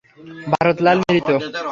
ভারত লাল, মৃত।